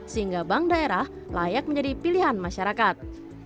sehingga bank daerah layak menjadi pilihan masyarakat